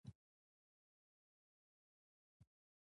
د کار بازار د مهارتونو ارزښت ټاکي.